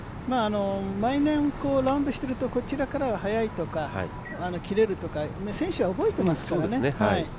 毎年ラウンドしてるとこちらからは速いとか切れるとか、選手は覚えてますからね。